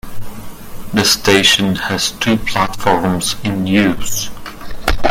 The station has two platforms in use.